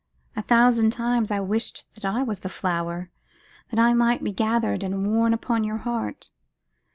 A thousand times I wished that I was a flower, that I might be gathered and worn upon your heart.